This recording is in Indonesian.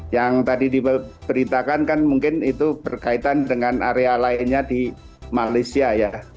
yang tadi diberitakan kan mungkin itu berkaitan dengan area lainnya di malaysia ya